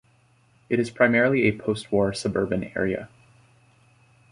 It is primarily a post-war suburban area.